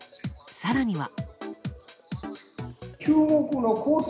更には。